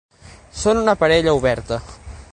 Són una parella oberta.